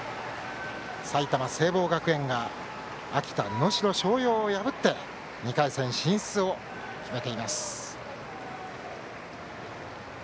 埼玉・聖望学園が秋田・能代松陽を破って２回戦進出を決めています。